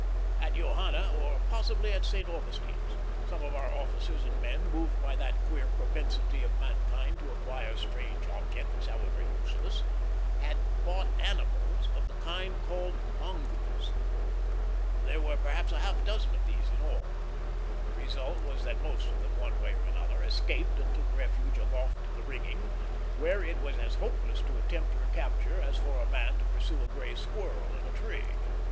At Johanna, or possibly at St. Augustine's, some of our officers and men, moved by that queer propensity of mankind to acquire strange objects, however useless, had bought animals of the kind called mongoos. There were perhaps a half dozen of these in all. The result was that most of them, one way or another, escaped and took refuge aloft in the rigging, where it was as hopeless to attempt recapture as for a man to pursue a gray squirrel in a tree.